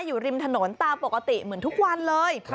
อยู่ริมถนนตามปกติเหมือนทุกวันเลย